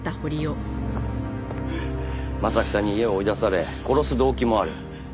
征木さんに家を追い出され殺す動機もある。